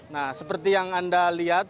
nah seperti yang anda lihat